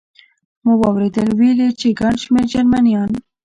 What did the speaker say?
مو واورېدل، ویل یې چې ګڼ شمېر جرمنیان.